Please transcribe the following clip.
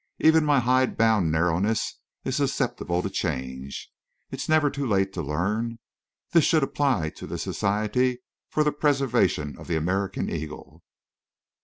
Even my hide bound narrowness is susceptible to change. It's never too late to learn. This should apply to the Society for the Preservation of the American Eagle."